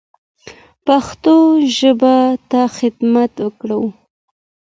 پښتو ژبې ته خدمت وکړو.